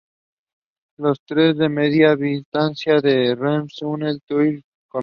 Los trenes de media distancia de Renfe, unen Tui con Vigo.